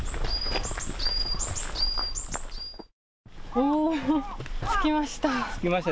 おー、着きました。